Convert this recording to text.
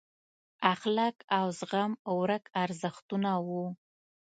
اخلاق او زغم ورک ارزښتونه وو.